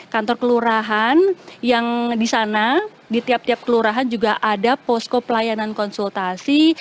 kantor kelurahan yang di sana di tiap tiap kelurahan juga ada posko pelayanan konsultasi